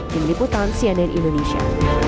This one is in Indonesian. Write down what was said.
di meliputan cnn indonesia